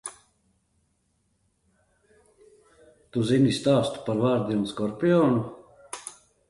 Tu zini stāstu par vardi un skorpionu?